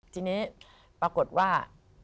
ทีนี้ปรากฏว่า